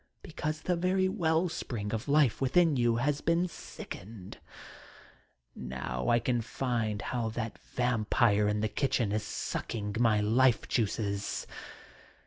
Because the very well spring of life within you has been sickened Now I can feel how that vampire in the kitchen is sucking my life juices